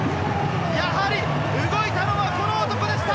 やはり動いたのはこの男でした！